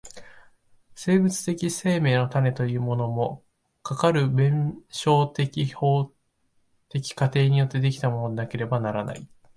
生物的生命の種というものも、かかる弁証法的過程によって出来たものでなければならない。